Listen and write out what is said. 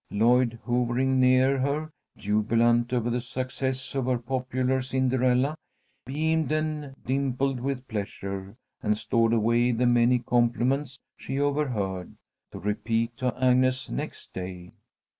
Lloyd, hovering near her, jubilant over the success of her popular Cinderella, beamed and dimpled with pleasure, and stored away the many compliments she overheard, to repeat to Agnes next day.